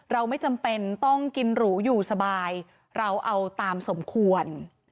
เราไม่จำเป็นต้องกินหรูอยู่สบายเราเอาตามสมควร